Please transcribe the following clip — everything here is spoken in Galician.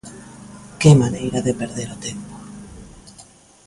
Que maneira de perder o tempo!